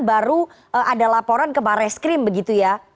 baru ada laporan ke baris krim begitu ya